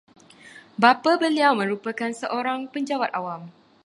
Bapa beliau merupakan seorang penjawat awam